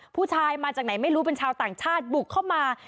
ผู้ชายมาจากไหนไม่รู้เป็นชาวต่างชาติบุกเข้ามา